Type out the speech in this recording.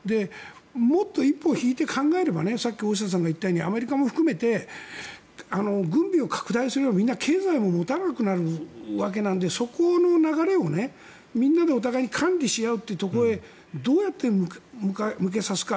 もっと、一歩引いて考えればさっき大下さんが言ったようにアメリカも含めて軍備を拡大すれば経済も持たなくなるのでそこの流れをみんながお互いに管理し合うというところへどうやって向けさせるか。